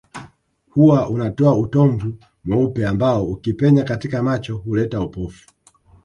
Huwa unatoa utomvu mweupe ambao ukipenya katika macho huleta upofu